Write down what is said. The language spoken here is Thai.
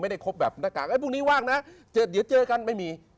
ไม่ได้ครบแบบหน้ากากพรุ่งนี้ว่างนะเดี๋ยวเจอกันไม่มี